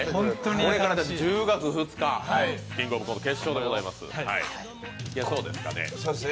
これから１０月２日、「キングオブコント」の決勝でございますが、いけそうですかね？